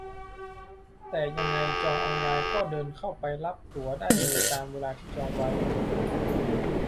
แต่ยังไงจองออนไลน์ก็เดินเข้าไปรับตั๋วได้เลยตามเวลาที่จองไว้